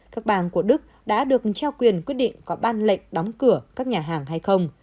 các bang của đức đã được trao quyền quyết định có ban lệnh đóng cửa các nhà hàng hay không